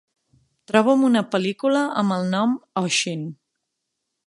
Troba'm una pel·lícula amb el nom Oshin